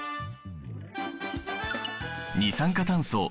二酸化炭素